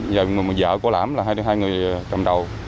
và vợ của lãm là hai đối tượng cầm đầu